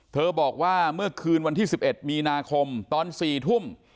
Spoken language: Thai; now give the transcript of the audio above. บอกว่าเมื่อคืนวันที่๑๑มีนาคมตอน๔ทุ่ม